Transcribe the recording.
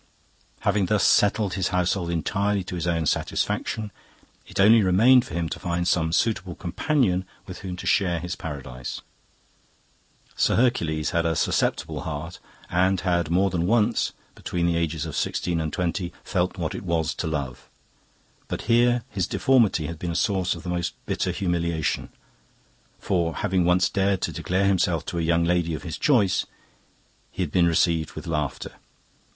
"Having thus settled his household entirely to his own satisfaction, it only remained for him to find some suitable companion with whom to share his paradise. Sir Hercules had a susceptible heart, and had more than once, between the ages of sixteen and twenty, felt what it was to love. But here his deformity had been a source of the most bitter humiliation, for, having once dared to declare himself to a young lady of his choice, he had been received with laughter.